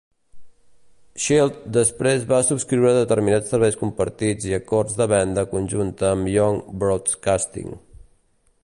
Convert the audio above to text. Shield després va subscriure determinats serveis compartits i acords de venda conjunta amb Young Broadcasting.